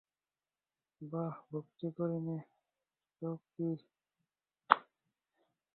বাঃ, ভক্তি করি নে তো কী!